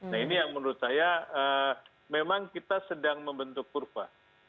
nah ini yang menurut saya memang kita sedang membentuk kurva